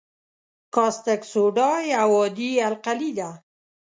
کاستک سوډا یو عادي القلي ده.